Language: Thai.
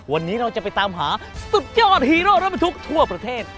วันนี้เราจะไปตามหาสุดยอดฮีโร่รถบรรทุกทั่วประเทศ